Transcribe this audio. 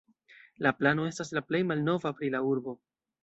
La plano estas la plej malnova pri la urbo.